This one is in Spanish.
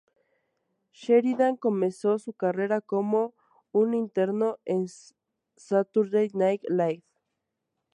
Sheridan comenzó su carrera como un interno en "Saturday Night Live".